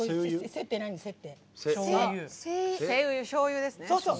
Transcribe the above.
せうゆ、しょうゆですね。